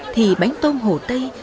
thì bánh tôm hồ tây